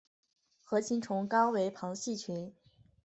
核形虫纲为旁系群。